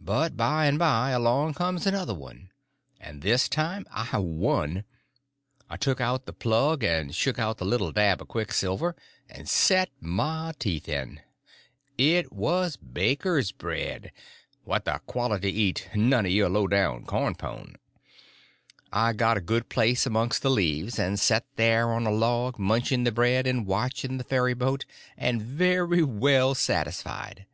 But by and by along comes another one, and this time I won. I took out the plug and shook out the little dab of quicksilver, and set my teeth in. It was "baker's bread"—what the quality eat; none of your low down corn pone. I got a good place amongst the leaves, and set there on a log, munching the bread and watching the ferry boat, and very well satisfied.